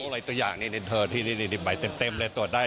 อะไรตัวอย่างนี่เธอที่นี่ใบเต็มเลยตรวจได้